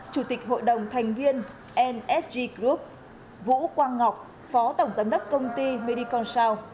chủ tịch hội đồng thành viên nsg group vũ quang ngọc phó tổng giám đốc công ty medicon